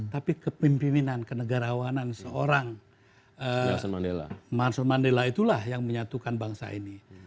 tapi kepimpinan kenegarawanan seorang marsil mandela itulah yang menyatukan bangsa ini